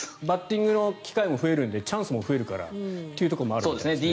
バッティングの機会も増えるのでチャンスも増えるからというところもあるんですね。